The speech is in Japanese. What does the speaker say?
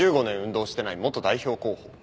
１５年運動してない元代表候補。